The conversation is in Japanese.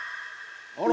「あら！」